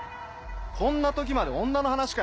こんな時まで女の話かよ。